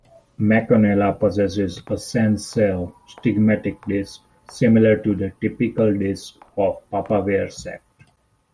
"Meconella" possesses a sessile stigmatic disc, similar to the typical discs of "Papaver" sect.